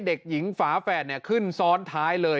เด็กหญิงฝาแฝดขึ้นซ้อนท้ายเลย